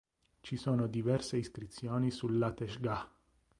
Ci sono diverse iscrizioni sull'Ateshgah.